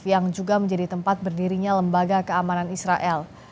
yang juga menjadi tempat berdirinya lembaga keamanan israel